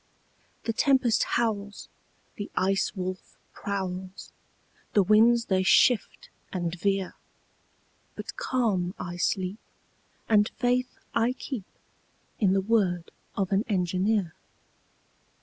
The tempest howls, The Ice Wolf prowls, The winds they shift and veer, But calm I sleep, And faith I keep In the word of an engineer.